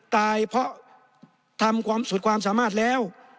ตายเพราะทำความสุดความสามารถแล้ว